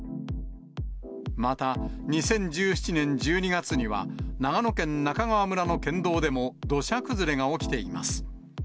また、２０１７年１２月には、長野県中川村の県道でも土砂崩れが起きています。